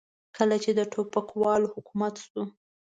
کله چې د ټوپکوالو حکومت شو.